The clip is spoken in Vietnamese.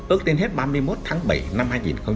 ước đến hết ba mươi một tháng bảy năm hai nghìn hai mươi